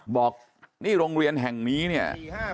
บอกนี่โรงเรียนแห่งนี้เนี่ย